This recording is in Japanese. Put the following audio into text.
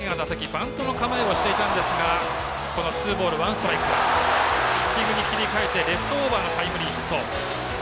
バントの構えをしていたんですがツーボール、ワンストライクからヒッティングに切り替えてレフトオーバーのタイムリーヒット。